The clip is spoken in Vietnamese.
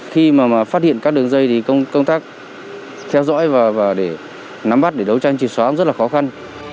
khi mà phát hiện các đường dây thì công tác theo dõi và để nắm bắt để đấu tranh triệt xóa rất là khó khăn